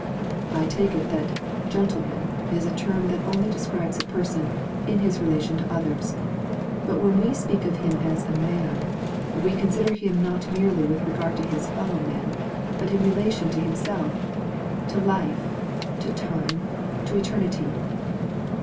"I take it that 'gentleman' is a term that only describes a person in his relation to others; but when we speak of him as 'a man,' we consider him not merely with regard to his fellow men, but in relation to himself, to life to time to eternity.